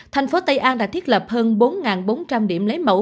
thành phố tây an đã thiết lập hơn bốn bốn trăm linh điểm lấy mẫu